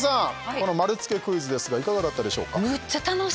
この丸つけクイズですがいかがだったでしょうか。